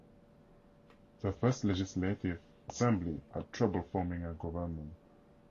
The first Legislative Assembly had trouble forming a Government.